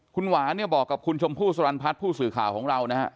คุณหวานเนี่ยบอกกับคุณชมพู่สรรพัฒน์ผู้สื่อข่าวของเรานะฮะ